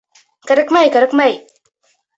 — Кәрәкмәй, кәрәкмәй!